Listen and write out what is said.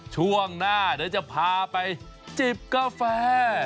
ช่วงหน้าเดี๋ยวจะพาไปจิบกาแฟ